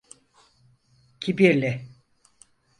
Kibirli.